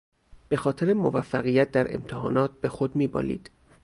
بخاطر موفقیت در امتحانات به خود میبالید.